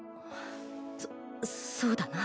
そそうだな。